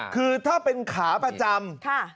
คือถ้าเป็นขาประจำ